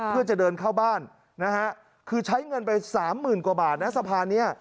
เพื่อจะเดินเข้าบ้านคือใช้เงินไป๓๐๐๐๐กว่าบาทนะสะพานนี้